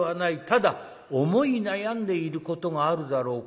ただ思い悩んでいることがあるだろう。